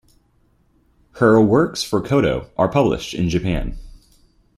Her works for koto are published in Japan.